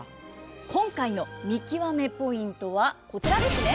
今回の見きわめポイントはこちらですね。